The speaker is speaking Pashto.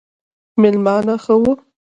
مېلمانه ښه وو